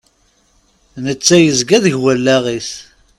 Netta yezga deg wallaɣ-is.